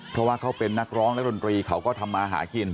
เพราะว่าเขาเป็นนักร้องนักดนตรีเขาก็ทำมาหากิน